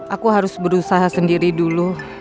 aku harus berusaha sendiri dulu